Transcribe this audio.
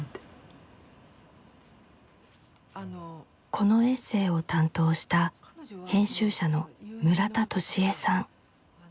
このエッセイを担当した編集者の村田登志江さん。